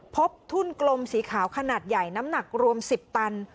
ทุ่นกลมสีขาวขนาดใหญ่น้ำหนักรวม๑๐ตัน